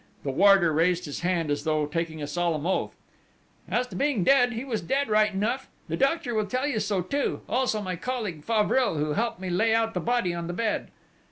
The warder raised his hand as though taking a solemn oath: "As to being dead, he was dead right enough!... The doctor will tell you so, too: also my colleague, Favril, who helped me to lay out the body on the bed."